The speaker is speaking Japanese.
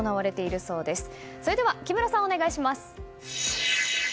それでは木村さん、お願いします。